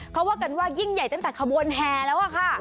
เขาว่ากันว่ายิ่งใหญ่ตั้งแต่ขบวนแห่แล้วค่ะ